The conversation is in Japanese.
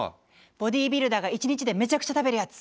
ボディービルダーが１日でめちゃくちゃ食べるやつ。